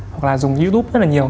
hoặc là dùng youtube rất là nhiều